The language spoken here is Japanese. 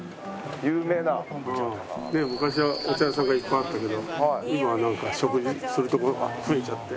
昔はお茶屋さんがいっぱいあったけど今はなんか食事する所が増えちゃって。